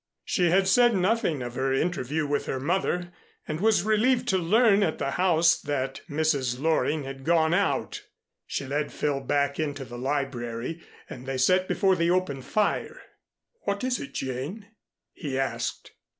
She had said nothing of her interview with her mother, and was relieved to learn at the house that Mrs. Loring had gone out. She led Phil back into the library and they sat before the open fire. "What is it, Jane?" he asked.